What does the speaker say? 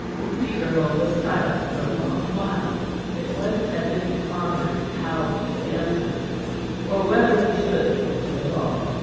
The earl was silent for a long while. It was as if he pondered how he should answer, or whether he should answer at all.